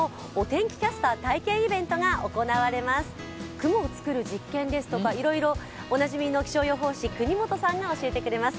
雲を作る実験ですとか、いろいろおなじみの気象予報士、國本さん教えてくれます。